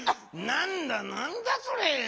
なんだなんだそれ。